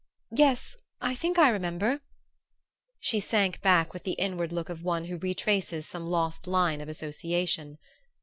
Yes, I think I remember." She sank back with the inward look of one who retraces some lost line of association.